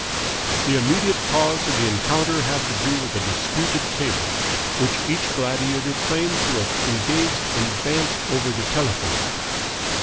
"The immediate cause of the encounter had to do with a disputed table, which each gladiator claimed to have engaged in advance over the telephone."